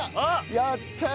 やったー！